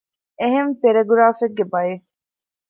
އެހެން ޕެރެގުރާފެއްގެ ބައެއް